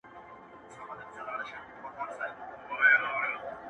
• هارون جان ته د نوي کال او پسرلي ډالۍ:,